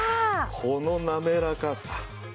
この滑らかさ。